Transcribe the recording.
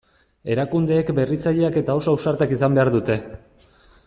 Erakundeek berritzaileak eta oso ausartak izan behar dute.